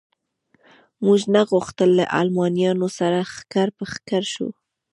موږ نه غوښتل له المانیانو سره ښکر په ښکر شو.